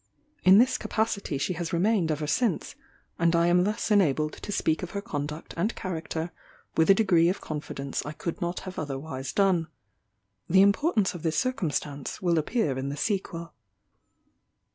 In this capacity she has remained ever since; and I am thus enabled to speak of her conduct and character with a degree of confidence I could not have otherwise done. The importance of this circumstance will appear in the sequel.